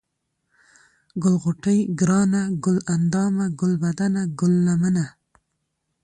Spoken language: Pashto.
ګل غوټۍ ، گرانه ، گل اندامه ، گلبدنه ، گل لمنه ،